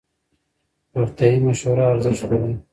روغتیایي مشوره ارزښت لري.